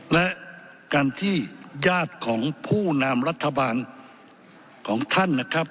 และการที่ญาติของผู้นำรัฐบาลของท่านนะครับ